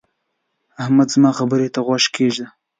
احمده! زما خبرې ته غوږ کېږده.